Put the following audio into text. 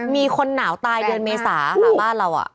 มีคนหนาวตายเดือนเมษาค่ะบ้านเรา